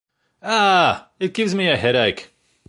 Ah! It gives me a headache!